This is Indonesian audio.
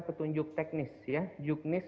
petunjuk teknis ya juknis